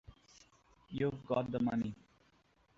You've got the money.